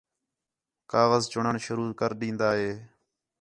کاغذ چُݨن شروع کر ݙین٘دا ہِے